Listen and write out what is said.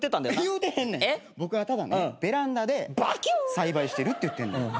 栽培してるって言ってんの。